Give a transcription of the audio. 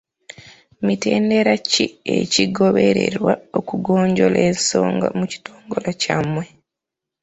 Mitendera ki egigobererwa okugonjoola ensonga mu kitongole kyammwe?